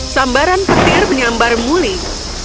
sambaran petir menyambar mulih